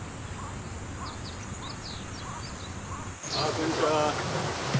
こんにちは。